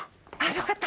よかった。